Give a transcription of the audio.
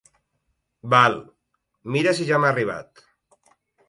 Val, mira sí ja m'ha arribat.